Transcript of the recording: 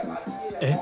えっ。